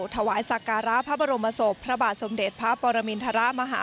ถวายสักการะพระบรมศพพระบาทสมเด็จพระปรมินทรมาฮา